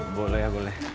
iya boleh ya boleh